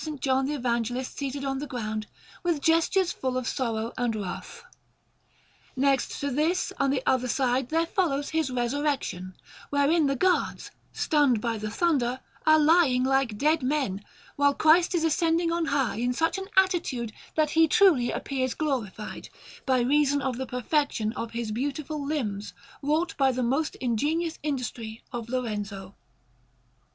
John the Evangelist seated on the ground, with gestures full of sorrow and wrath. Next to this, on the other side, there follows His Resurrection, wherein the guards, stunned by the thunder, are lying like dead men, while Christ is ascending on high in such an attitude that He truly appears glorified, by reason of the perfection of His beautiful limbs, wrought by the most ingenious industry of Lorenzo.